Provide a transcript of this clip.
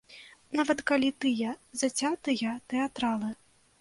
Нават калі тыя зацятыя тэатралы.